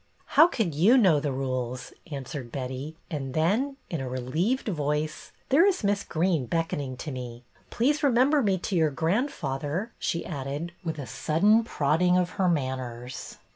" How could you know the rules ?" an swered Betty, and then, in a relieved voice, " There is Miss Greene beckoning to me. Please remember me to your grandfather," she added, with a sudden prodding of her " manners."